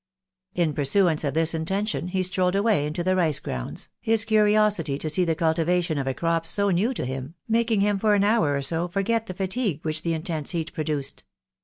In pursuance of this intention he strolled away into the rice grounds, his curiosity to see the cultivation of a crop so new to him, making him for an hour or so forget the fatigue which the intense heat produced.